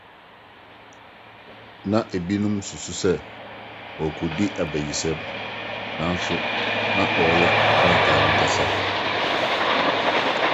Na ebinom susuw sɛ ɔredi abayisɛm, nanso na ɔreyɛ krataa ankasa.